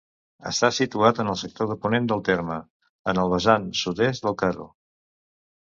Està situat en el sector de ponent del terme, en el vessant sud-est del Caro.